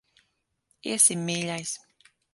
Iesim, mīļais.